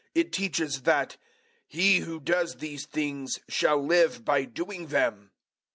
It teaches that "he who does these things shall live by doing them."